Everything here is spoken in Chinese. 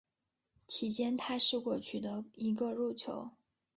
其间他试过取得一个入球。